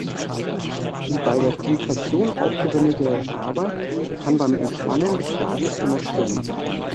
Die bei der Kompression aufgewendete Arbeit kann beim Entspannen des Gases genutzt werden.